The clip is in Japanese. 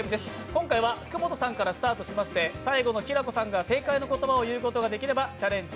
今回は福本さんからスタートしまして最後のきらこさんが正解の言葉を言うことができればチャレンジ